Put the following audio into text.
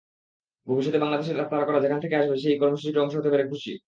ভবিষ্যতের বাংলাদেশের তারকারা যেখান থেকে আসবে, সেই কর্মসূচির অংশ হতে পেরে খুশি।